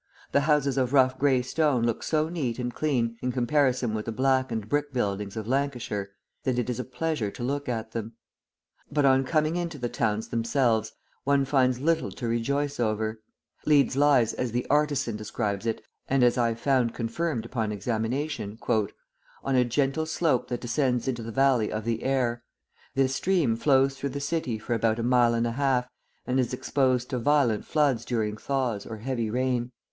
The houses of rough grey stone look so neat and clean in comparison with the blackened brick buildings of Lancashire, that it is a pleasure to look at them. But on coming into the towns themselves, one finds little to rejoice over. Leeds lies as the Artisan describes it, and as I found confirmed upon examination: "on a gentle slope that descends into the valley of the Aire. This stream flows through the city for about a mile and a half and is exposed to violent floods during thaws or heavy rain.